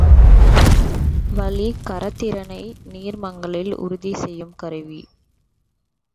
வளிக் கரைதிறனை நீர்மங்களில் உறுதி செய்யும் கருவி.